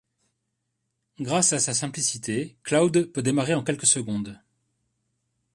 Grâce à sa simplicité, Cloud peut démarrer en quelques secondes.